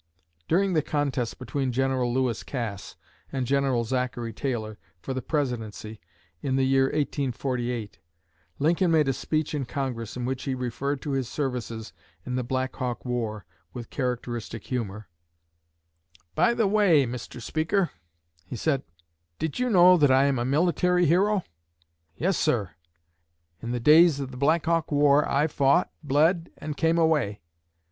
During the contest between General Lewis Cass and General Zachary Taylor for the Presidency, in the year 1848, Lincoln made a speech in Congress in which he referred to his services in the Black Hawk War with characteristic humor: "By the way, Mr. Speaker," he said, "did you know that I am a military hero? Yes, sir. In the days of the Black Hawk War I fought, bled, and came away.